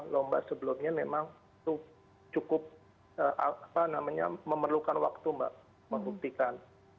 lomba sebelumnya memang itu cukup memerlukan waktu mbak membuktikan